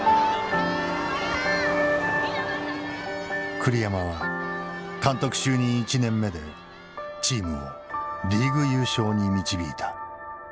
栗山は監督就任１年目でチームをリーグ優勝に導いた。